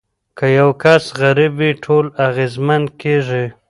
که یو کس غریب وي ټول اغیزمن کیږي.